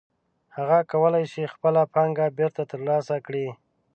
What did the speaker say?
هغه کولی شي خپله پانګه بېرته ترلاسه کړي